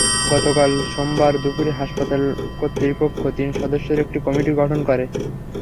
গতকাল সোমবার দুপুরে হাসপাতাল কর্তৃপক্ষ তিন সদস্যের একটি কমিটি গঠন করে।